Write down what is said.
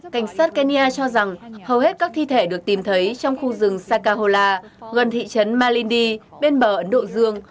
cảnh sát kenya cho rằng hầu hết các thi thể được tìm thấy trong khu rừng sakahola gần thị trấn malindi bên bờ ấn độ dương